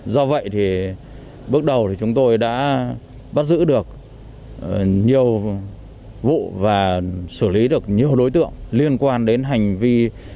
do vậy thì bước đầu thì chúng tôi đã bắt giữ được nhiều vụ và xử lý được nhiều đối tượng liên quan đến hành vi